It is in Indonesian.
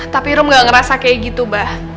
tapi rum gak ngerasa kayak gitu bah